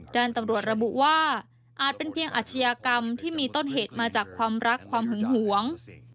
ด้านตำรวจระบุว่าอาจเป็นเพียงอาชญากรรมที่มีต้นเหตุมาจากความรักความหึงหวง